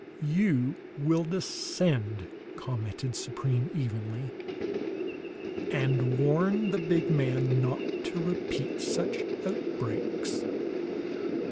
"You will descend," commented Supreme evenly, "and warn the big man not to repeat such outbreaks."